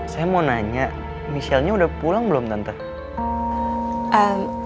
saya mau nanya michelle nya udah pulang belum tante